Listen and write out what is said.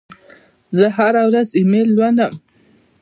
زه هره ورځ ایمیل لولم.